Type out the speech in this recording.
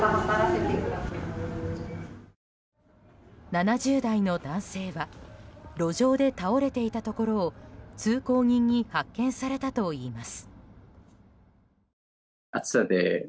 ７０代の男性は路上で倒れていたところを通行人に発見されたといいます。